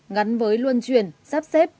ngắn với luân chuyển sắp xếp